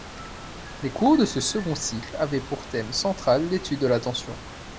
Les cours de ce second cycle avaient pour thème central l'étude de l'attention.